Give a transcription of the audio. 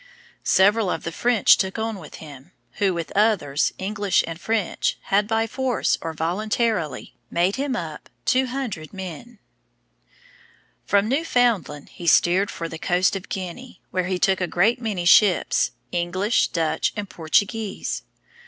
Several of the French took on with him, who, with others, English and French, had by force or voluntarily, made him up 200 men. From Newfoundland he steered for the coast of Guinea, where he took a great many ships, English, Dutch and Portuguese.